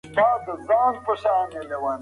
نن سبا جنګ د ډاټا دی.